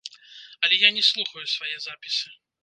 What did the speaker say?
Але я не слухаю свае запісы.